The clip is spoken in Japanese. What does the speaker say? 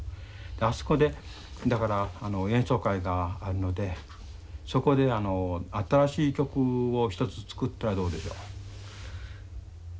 あそこでだから演奏会があるのでそこで新しい曲を１つ作ったらどうでしょう？